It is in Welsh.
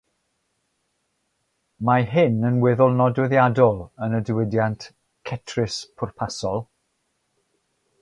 Mae hyn yn weddol nodweddiadol yn y diwydiant "cetris pwrpasol".